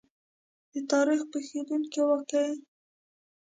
د تاریخ پېښېدونکې واقعې.